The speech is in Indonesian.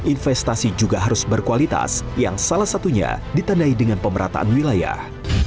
investasi juga harus berkualitas yang salah satunya ditandai dengan pemerataan wilayah